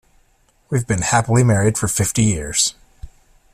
We've been happily married for fifty years.